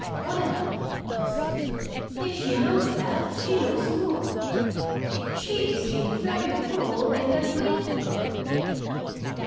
"Well," I said, "if she knows that, she knows more. She is a very cruel and ungrateful girl."